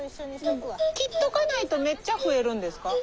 切っとかないとめっちゃ増えるんですか？